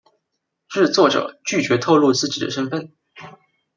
制作者拒绝透露自己的身份。